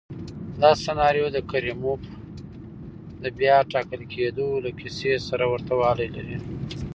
دا سناریو د کریموف د بیا ټاکل کېدو له کیسې سره ورته والی لري.